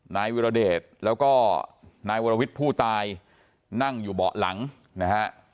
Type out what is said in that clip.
นายวิรเดชแล้วก็นายวรวิทย์ผู้ตายนั่งอยู่เบาะหลังนะฮะ